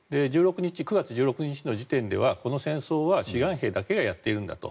９月１６日の時点ではこの戦争は志願兵だけがやっているんだと。